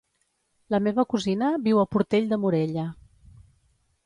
La meva cosina viu a Portell de Morella.